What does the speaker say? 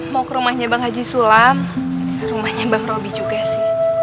mau ke rumahnya bang haji sulam ke rumahnya bang roby juga sih